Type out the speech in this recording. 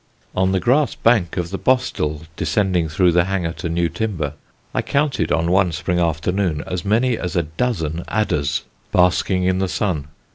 On the grass bank of the bostel descending through the hanger to Newtimber, I counted on one spring afternoon as many as a dozen adders basking in the sun.